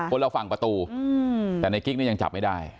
คนละฝั่งประตูแต่ในกิ๊กนี่ยังจับไม่ได้